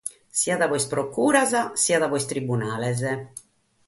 Siat pro sas procuras, siat pro sos tribunales.